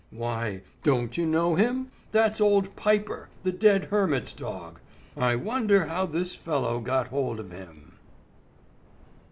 "Why, don't you know him? That's old Piper, the dead hermit's dog. I wonder how this fellow got hold of him."